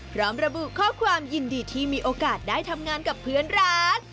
พร้อมระบุข้อความยินดีที่มีโอกาสได้ทำงานกับเพื่อนร้าน